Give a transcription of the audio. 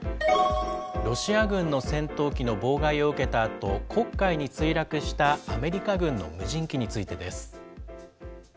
ロシア軍の戦闘機の妨害を受けたあと、黒海に墜落したアメリカ軍の無人機についてです。